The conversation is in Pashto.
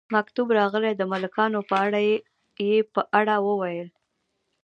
مکتوب راغلی د ملکانو په اړه، یې په اړه وویل.